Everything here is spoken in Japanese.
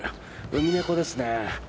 ウミネコですね。